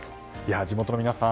地元の皆さん